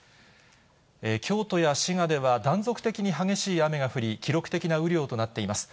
京都や滋賀では、断続的に激しい雨が降り、記録的な雨量となっています。